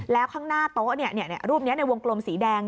แล้วข้างหน้าโต๊ะรูปนี้ในวงกลมสีแดง